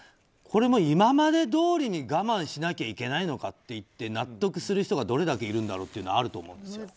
これも今までどおりに我慢しなきゃいけないのかといって納得する人がどれだけいるんだろうというのはあると思うんです。